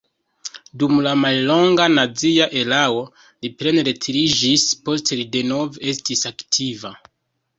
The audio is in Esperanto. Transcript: Dum la mallonga nazia erao li plene retiriĝis, poste li denove estis aktiva.